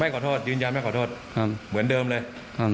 ขอโทษยืนยันไม่ขอโทษครับเหมือนเดิมเลยครับ